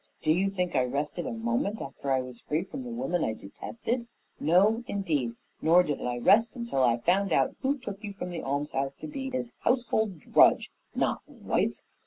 Do you think I rested a moment after I was free from the woman I detested? No, indeed; nor did I rest till I found out who took you from the almshouse to be his household drudge, not wife.